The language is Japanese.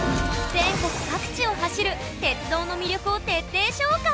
全国各地を走る鉄道の魅力を徹底紹介！